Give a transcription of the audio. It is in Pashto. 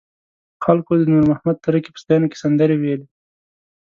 خلکو د نور محمد تره کي په ستاینه کې سندرې ویلې.